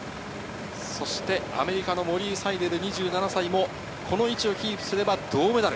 そしてアメリカのモリー・サイデル、２７歳もこの位置をキープすれば銅メダル。